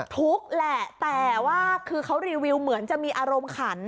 ทุกข์แหละแต่ว่าคือเขารีวิวเหมือนจะมีอารมณ์ขัน